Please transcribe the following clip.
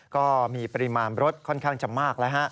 ก็มีปริมาณรถค่อนข้างจะมากแล้วฮะ